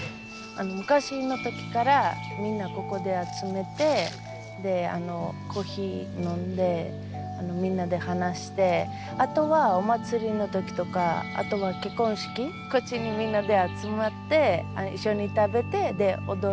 昔の時からみんなここで集めてコーヒー飲んでみんなで話してあとはお祭りの時とかあとは結婚式こっちにみんなで集まって一緒に食べて踊ること。